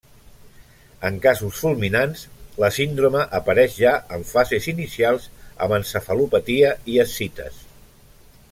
En casos fulminants, la síndrome apareix ja en fases inicials amb encefalopatia i ascites.